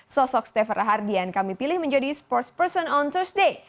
sosok stafer rahardian kami pilih menjadi sportsperson on tuesday